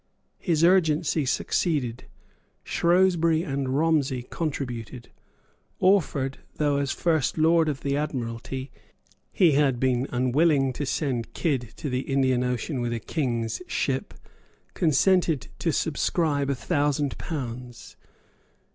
His urgency succeeded. Shrewsbury and Romney contributed. Orford, though, as first Lord of the Admiralty, he had been unwilling to send Kidd to the Indian ocean with a king's ship, consented to subscribe a thousand pounds.